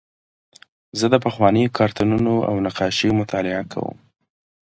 زه د پخوانیو کارتونونو او نقاشیو مطالعه کوم.